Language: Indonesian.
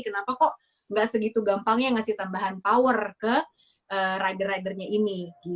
kenapa kok gak segitu gampangnya ngasih tambahan power ke rider ridernya ini